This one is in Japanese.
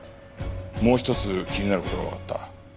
もう一つ気になる事がわかった。